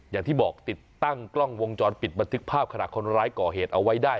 อย่างที่บอกติดตั้งกล้องวงจรปิดบันทึกภาพขณะคนร้ายก่อเหตุเอาไว้ได้